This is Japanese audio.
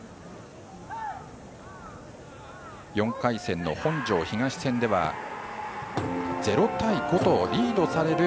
４回戦の本庄東戦では、０対５とリードされる